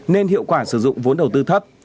nên hiệu quả sử dụng vốn đầu tư thấp